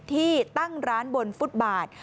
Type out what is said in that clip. ที่ตั้งร้านบนฟุตบาท